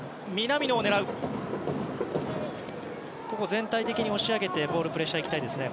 全体的に押し上げてボールプレッシャーにいきたいですね。